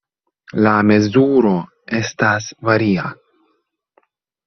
La mezuro estas varia.